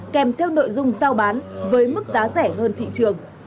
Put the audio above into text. kèm theo nội dung giao bán với mức giá rẻ hơn thị trường